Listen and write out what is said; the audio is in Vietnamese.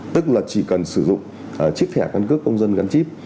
tức là chỉ cần sử dụng chiếc thẻ căn cước công dân gắn chip